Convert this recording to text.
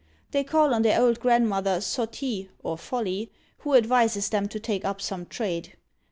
They call on their old grandmother Sottie (or Folly), who advises them to take up some trade.